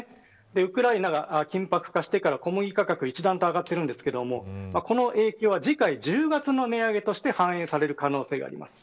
ウクライナが緊迫化してから小麦価格が一段と上がっているんですがこの影響は、次回１０月の値上げで反映される可能性があります。